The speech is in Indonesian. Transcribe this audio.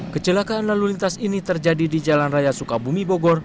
kecelakaan lalu lintas ini terjadi di jalan raya sukabumi bogor